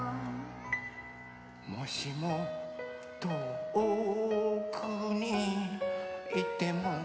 「もしもとおくにいっても」